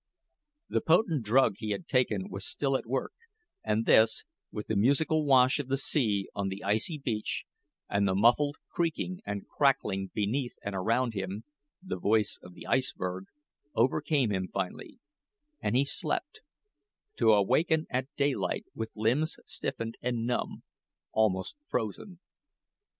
The potent drug he had taken was still at work, and this, with the musical wash of the sea on the icy beach, and the muffled creaking and crackling beneath and around him the voice of the iceberg overcame him finally, and he slept, to waken at daylight with limbs stiffened and numb almost frozen.